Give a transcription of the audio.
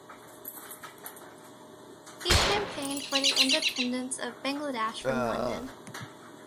He campaigned for the independence of Bangladesh from London.